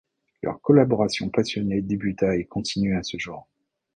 Leur collaboration passionnée débuta et continue à ce jour.